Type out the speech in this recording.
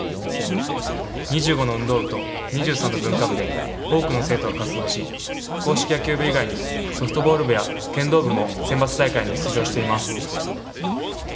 ２５の運動部と２３の文化部で多くの生徒が活動し硬式野球部以外にソフトボール部や剣道部も選抜大会に出場しています。